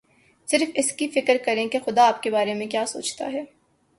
صرف اس کی فکر کریں کہ خدا آپ کے بارے میں کیا سوچتا ہے۔